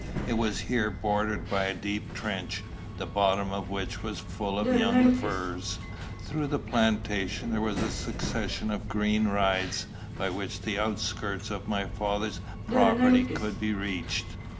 It was here bordered by a deep trench, the bottom of which was full of young firs. Through the plantation there was a succession of green rides, by which the outskirts of my father's property could be reached.